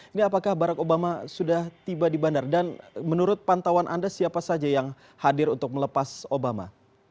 ini apakah barack obama sudah tiba di bandar dan menurut pantauan anda siapa saja yang hadir untuk melepas obama